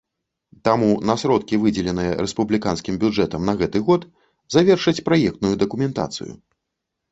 Таму на сродкі, выдзеленыя рэспубліканскім бюджэтам на гэты год, завершаць праектную дакументацыю.